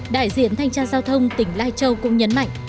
đại diện thanh tra giao thông tỉnh lai châu cũng nhấn mạnh